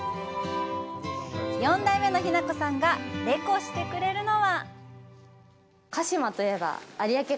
４代目の日奈子さんがレコしてくれるのは？